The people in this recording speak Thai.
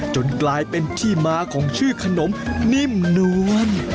จนกลายเป็นที่มาของชื่อขนมนิ่มนวล